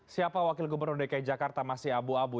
siapa wakil gubernur dki jakarta masih abu abu